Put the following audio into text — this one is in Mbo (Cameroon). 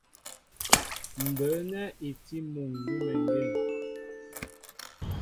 Mbə̌ nɛ́ i tí muŋ gʉ́meŋgên.